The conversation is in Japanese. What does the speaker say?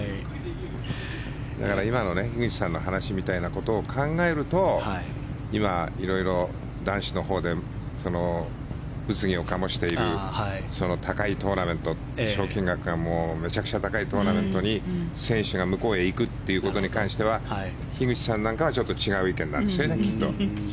だから今の樋口さんの話みたいなことを考えると今、色々男子のほうで物議を醸している賞金額がめちゃくちゃ高いトーナメントに選手が向こうへ行くということに関しては樋口さんなんかは違う意見なんですね、きっと。